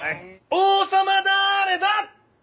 王様だれだ？